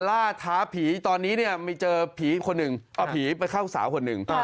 ล่าท้าผีตอนนี้เนี่ยมีเจอผีคนหนึ่งเอาผีไปเข้าสาวคนหนึ่ง